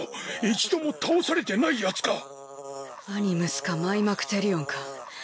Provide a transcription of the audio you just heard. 一度も倒されてないヤツか⁉アニムスかマイマクテリオンか。